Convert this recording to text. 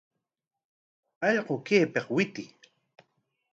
¡Allqu, kaypik witiy!